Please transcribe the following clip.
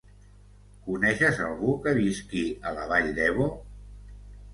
Coneixes algú que visqui a la Vall d'Ebo?